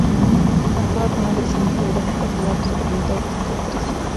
Contaba con una sección bibliográfica, destinada principalmente a obras extranjeras.